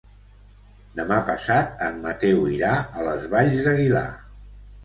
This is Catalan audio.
Demà passat en Mateu irà a les Valls d'Aguilar.